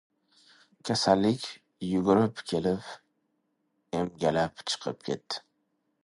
• Kasallik yugurib kelib, emgalab chiqib ketadi.